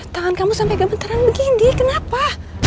tangan kamu sampai gemeteran begini kenapa